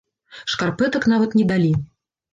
Шкарпэтак нават не далі.